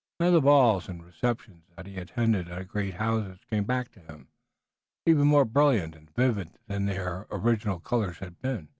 Now the balls and receptions that he had attended at great houses came back to him, even more brilliant and vivid than their original colors had been.